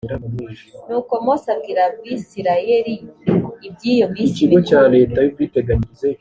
nuko mose abwira abisirayeli iby’iyo minsi mikuru